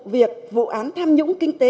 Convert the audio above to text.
việc vụ án tham nhũng kinh tế